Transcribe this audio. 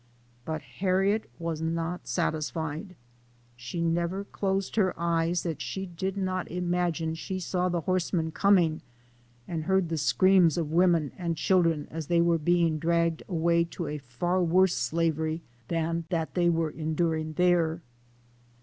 But Harriet was not satisfied ; she never closed her eyes that she did not imagine she saw the horsemen coming, and heard the screams of women and children, as they were being dragged away to a far worse slavery than that they were enduring there.